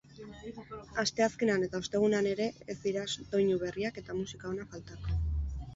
Asteazkenean eta ostegunean ere ez dira doinu berriak eta musika ona faltako.